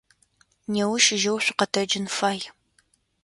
Неущ жьэу шъукъэтэджын фай.